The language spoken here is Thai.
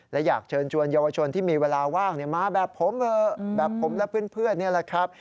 และอยากเชิญชวนเยาวชนที่มีเวลาว่างมาแบบผมเถอะแบบผมและเพื่อนนี่แหละครับ